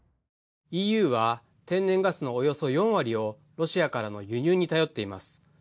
ＥＵは天然ガスのおよそ４割をロシアからの輸入に頼っています。